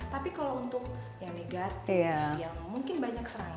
tapi kalau untuk yang negatif yang mungkin banyak serangan